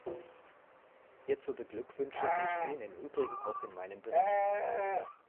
Hierzu beglückwünsche ich ihn im Übrigen auch in meinem Bericht.